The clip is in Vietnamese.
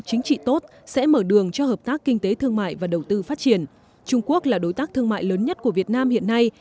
chính trị tốt sẽ mở đường cho hợp tác kinh tế thương mại và đầu tư phát triển trung quốc là đối tác thương mại lớn nhất của việt nam hiện nay